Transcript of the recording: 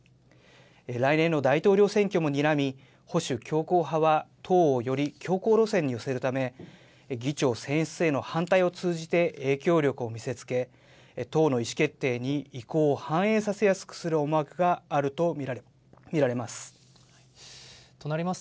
来年の大統領選挙もにらみ、保守強硬派は党をより強硬路線に寄せるため、議長選出への反対を通じて影響力を見せつけ、党の意思決定に意向を反映させやすくする思惑があると見られます。